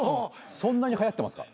そんなにはやってますか？